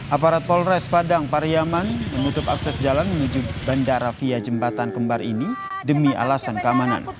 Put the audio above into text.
aparat polres padang pariyaman menutup akses jalan menuju bandara via jembatan kembar ini demi alasan keamanan